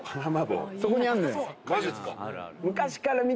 マジですか？